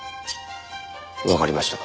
わかりました。